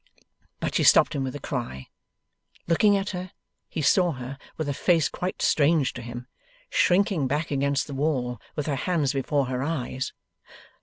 But, she stopped him with a cry. Looking at her he saw her, with a face quite strange to him, shrinking back against the wall, with her hands before her eyes.